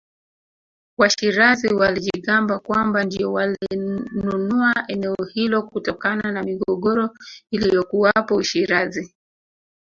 Washirazi walijigamba kwamba ndio walinunua eneo hilo kutokana na migogoro iliyokuwapo Ushirazi